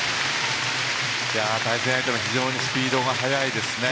対戦相手も非常にスピードが速いですね。